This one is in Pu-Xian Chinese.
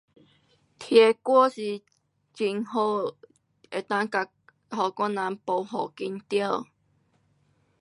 听我是很好，能够给我人没好紧张。